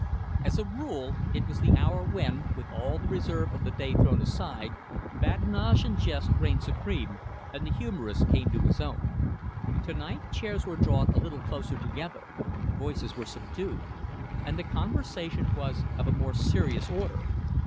As a rule, it was the hour when, with all the reserve of the day thrown aside, badinage and jest reigned supreme, and the humourist came to his own. To night chairs were drawn a little closer together, voices were subdued, and the conversation was of a more serious order.